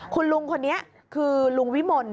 คุณลุงคนนี้คือลุงวิมล